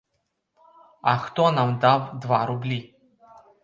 А хто нам дав два рублі?